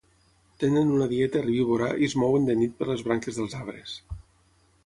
Tenen una dieta herbívora i es mouen de nit per les branques dels arbres.